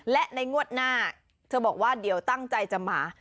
และในงวดหน้าเธอบอกว่าเดี๋ยวตั้งใจจะมา